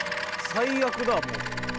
最悪だもう。